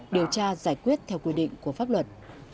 điều tra giải quyết theo quy định của pháp luật